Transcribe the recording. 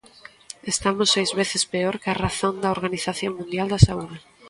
Estamos seis veces peor que a razón da Organización Mundial da Saúde.